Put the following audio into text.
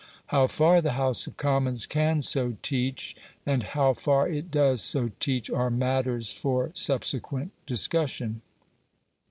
How far the House of Commons can so teach, and how far it does so teach, are matters for subsequent discussion.